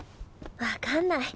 わかんない。